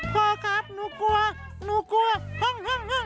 พ่อครับหนูกลัวหนูกลัวห้ง